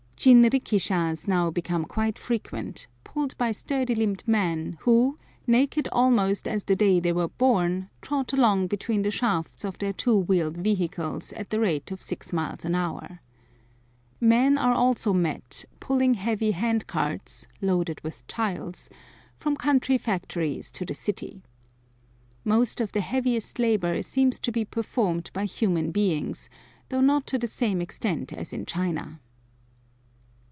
Jinrikishas now become quite frequent, pulled by sturdy limbed men, who, naked almost as the day they were born, trot along between the shafts of their two wheeled vehicles at the rate of six miles an hour. Men also are met pulling heavy hand carts, loaded with tiles, from country factories to the city. Most of the heaviest labor seems to be performed by human beings, though not to the same extent as in China.